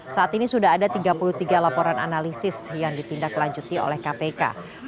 saat ini sudah ada tiga puluh tiga laporan analisis yang ditindaklanjuti oleh kpk